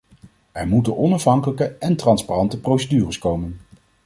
Er moeten onafhankelijke en transparante procedures komen.